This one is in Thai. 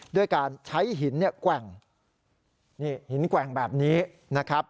ด้วยการใช้หินแกว่งหินแกว่งแบบนี้นะครับ